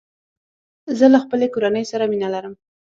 زه له خپلي کورنۍ سره مينه لرم